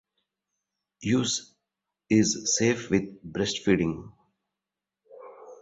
Use is safe with breastfeeding.